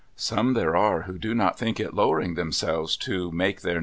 Some there are who do not think it lowering themselves to make their names 326 MRS.